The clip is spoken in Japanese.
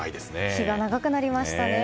日が長くなりましたね。